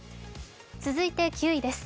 続いて９位です。